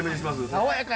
爽やか。